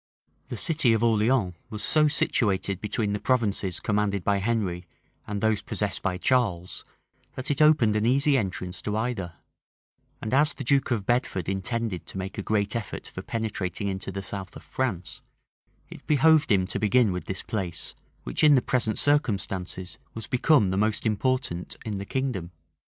{1428.} The city of Orleans was so situated between the provinces commanded by Henry, and those possessed by Charles, that it opened an easy entrance to either; and as the duke of Bedford intended to make a great effort for penetrating into the south of France, it behoved him to begin with this place, which, in the present circumstances, was become the most important in the kingdom.